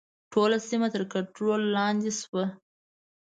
ټوله سیمه تر کنټرول لاندې شوه.